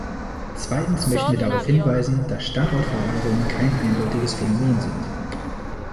Zweitens möchten wir darauf hinweisen, dass Standortverlagerungen kein eindeutiges Phänomen sind.